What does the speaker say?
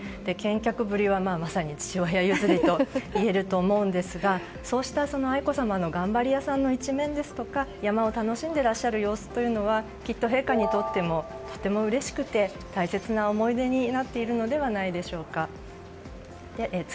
健脚ぶりは、まさに父親譲りと言えると思うんですがそうした愛子さまの頑張り屋さんの一面ですとか山を楽しんでいらっしゃる様子というのはきっと陛下にとってもとてもうれしくて大切な思い出になっているのではないでしょうか。